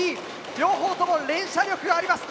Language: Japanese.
両方とも連射力があります。